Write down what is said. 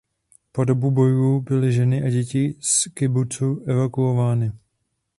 Po dobu bojů byly ženy a děti z kibucu evakuovány.